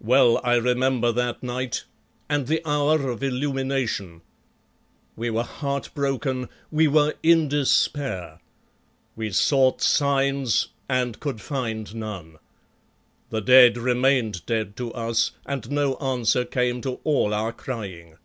Well I remember that night and the hour of illumination. We were heart broken, we were in despair. We sought signs and could find none. The dead remained dead to us and no answer came to all our crying.